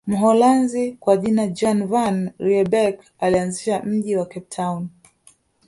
Mholanzi kwa jina Jan van Riebeeck alianzisha mji wa Cape Town